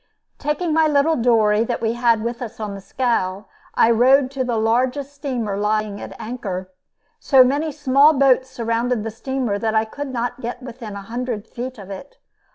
Taking my little dory that we had with us on the scow, I rowed to the largest steamer lying at anchor. So many small boats surrounded the steamer that I could not get within a hundred feet of it.